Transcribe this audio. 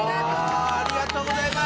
ありがとうございます！